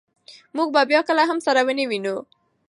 موږ به بیا کله هم سره نه وینو.